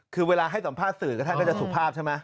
คือเวลาให้สัมภาษณ์สื่อก็ท่านก็จะสุภาพใช่ไหม